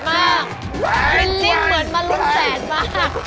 แสดนความรู้สึกเหมือนมารุนแสดมาก